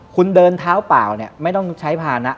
คุณเดินเท้าเปล่าเนี่ยไม่ต้องใช้ภานะ